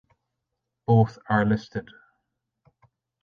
Both are listed.